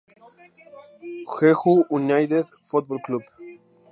Jeju United Football Club